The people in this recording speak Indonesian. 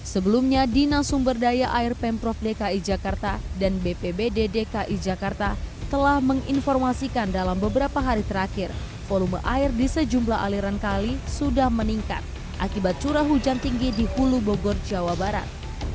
sebelumnya dinas sumber daya air pemprov dki jakarta dan bpbd dki jakarta telah menginformasikan dalam beberapa hari terakhir volume air di sejumlah aliran kali sudah meningkat akibat curah hujan tinggi di hulu bogor jawa barat